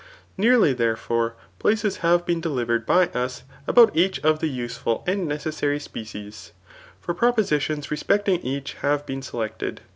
Nearly, therefore, places have been delivered by us about each of the useful and neces sary species ; for propositions respecting each have been selected.